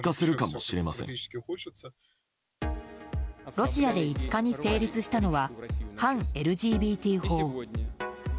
ロシアで５日に成立したのは反ＬＧＢＴ法。